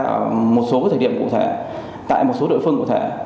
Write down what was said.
ở một số thời điểm cụ thể tại một số địa phương cụ thể